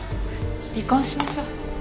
離婚しましょう。